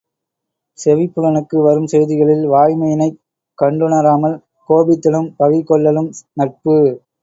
செவிப்புலனுக்கு வரும் செய்திகளில் வாய்மையினைக் கண்டுணராமல் கோபித்தலும் பகை கொள்ளலும் நட்பு.